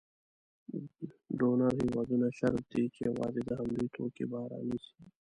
ډونر هېوادونه شرط ږدي چې یوازې د همدوی توکي به رانیسي.